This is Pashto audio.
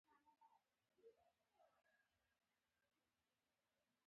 هراته د خسروخان مرستې ته راتلل.